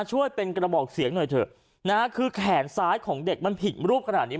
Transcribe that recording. ช่วยเป็นกระบอกเสียงหน่อยเถอะนะฮะคือแขนซ้ายของเด็กมันผิดรูปขนาดนี้